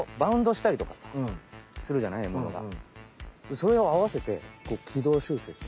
それにあわせてこう軌道修正して。